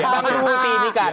bang ruhuti ini kadang